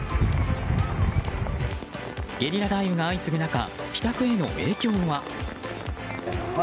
ゲリラ雷雨が相次ぐ中帰宅への影響は？